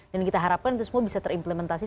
dan kita harapkan itu semua bisa terimplementasi